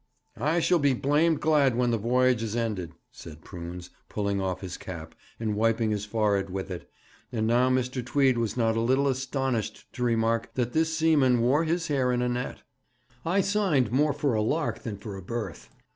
'I shall be blamed glad when the voyage is ended,' said Prunes, pulling off his cap, and wiping his forehead with it; and now Mr. Tweed was not a little astonished to remark that this seaman wore his hair in a net. 'I signed more for a lark than for a berth.